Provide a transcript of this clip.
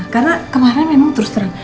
karena kemarin memang terus terang